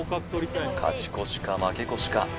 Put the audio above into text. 勝ち越しか負け越しか？